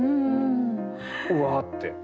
「うわ」って。